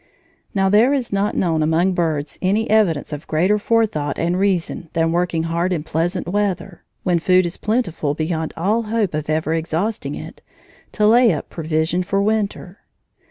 Now there is not known among birds any evidence of greater forethought and reason than working hard in pleasant weather, when food is plentiful beyond all hope of ever exhausting it, to lay up provision for winter.